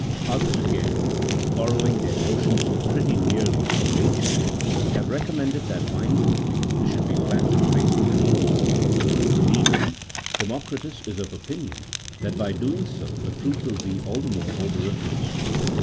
Others, again, borrowing their notions pretty nearly from Nature, have recommended that vines and trees should be planted facing the north east ; indeed Democritus is of opinion, that by so doing the fruit will be all the more odoriferous.